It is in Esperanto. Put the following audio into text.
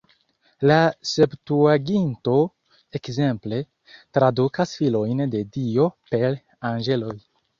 La Septuaginto, ekzemple, tradukas "filojn de Dio" per "anĝeloj".